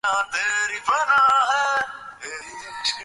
বলিয়া অকারণ-বিকশিত হাস্যে তাহার মুখ ভরিয়া গেল।